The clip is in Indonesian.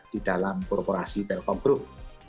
di dalam korporasi telkom group